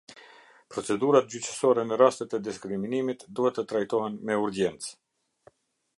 Procedurat gjyqësore në rastet e diskriminimit duhet të trajtohen me urgjencë.